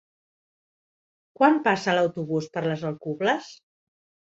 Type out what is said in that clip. Quan passa l'autobús per les Alcubles?